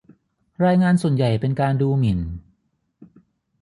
รายงานส่วนใหญ่เป็นการดูหมิ่น